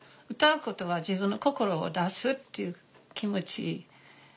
歌うことは自分の心を出すっていう気持ち。